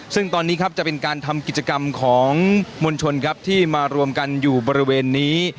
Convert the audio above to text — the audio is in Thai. ซึ่งตอนนี้ครับจะเป็นการทำกิจกรรมของมวลชนครับที่มารวมกันอยู่บริเวณนี้